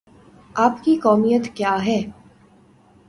آپ کی قومیت کیا ہے؟